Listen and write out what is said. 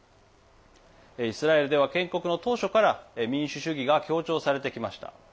イスラエルでは、建国の当初から民主主義が強調されてきました。